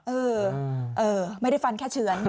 เออไม่ได้ฟันแค่เฉือน